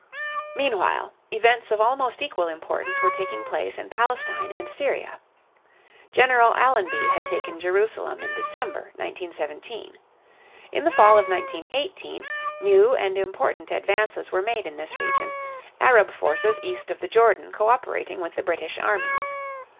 Meanwhile, events of almost equal importance were taking place in Palestine and Syria. General Allenby had taken Jerusalem in December, 1917. In the fall of 1918 new and important advances were made in this region, Arab forces east of the Jordan coöperating with the British armies.